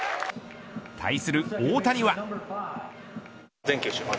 対する大谷は。